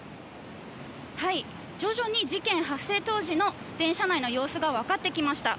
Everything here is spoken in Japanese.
徐々に事件発生当時の電車内の様子が分かってきました。